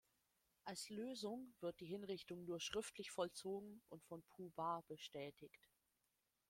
Als Lösung wird die Hinrichtung nur schriftlich vollzogen und von Puh-Bah bestätigt.